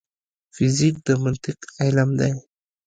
فزیک د منطق علم دی